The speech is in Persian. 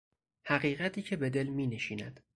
حقیقتی که به دل مینشیند